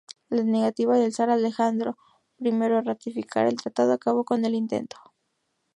La negativa del zar Alejandro I a ratificar el tratado acabó con el intento.